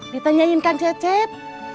ditanyain kang cecep